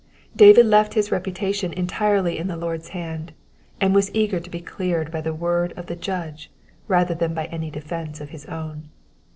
David left his reputation entirely in the Lord's hand, and was eager to be cleared by the word of the Judge rather than by any defence of his own.